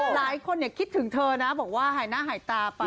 หลายคนคิดถึงเธอนะบอกว่าหายหน้าหายตาไป